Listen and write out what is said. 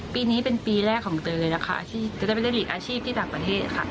ปีนี้เป็นปีแรกของเตรนค์ของเตรนค์อาชีพที่ต่างประเทศ